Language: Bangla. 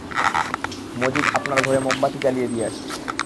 মজিদ আপনার ঘরে মোমবাতি জ্বালিয়ে দিয়ে আসবে।